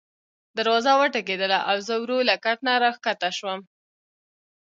دروازه وټکېدله او زه ورو له کټ نه راکښته شوم.